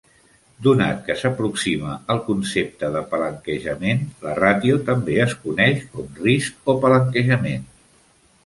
Donat que s'aproxima al concepte de palanquejament, la ràtio també es coneix com risc o palanquejament.